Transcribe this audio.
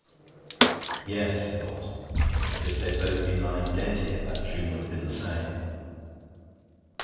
'Yes,' he thought, 'but if they had both been lying dead here that tune would have been the same.'